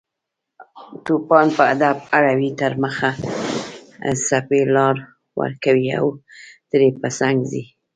توپان په ادب اړوي تر مخه، څپې لار ورکوي او ترې په څنګ ځي